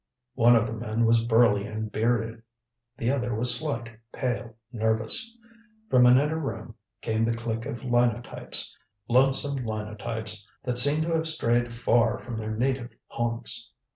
One of the men was burly and bearded; the other was slight, pale, nervous. From an inner room came the click of linotypes lonesome linotypes that seemed to have strayed far from their native haunts.